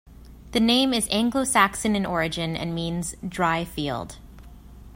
The name is Anglo-Saxon in origin and means 'dry field'.